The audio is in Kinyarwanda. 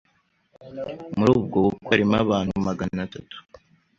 muri ubwo bukwe harimo abantu magn tatu